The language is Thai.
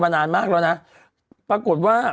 แต่อาจจะส่งมาแต่อาจจะส่งมา